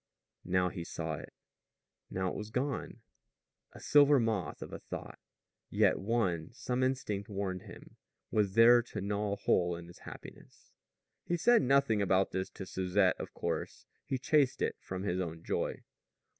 Now he saw it; now it was gone a silver moth of a thought, yet one, some instinct warned him, was there to gnaw a hole in his happiness. He said nothing about this to Susette, of course; he chased it from his own joy.